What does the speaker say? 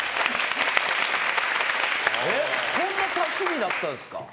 こんな多趣味だったんですか。